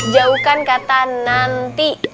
jauhkan kata nanti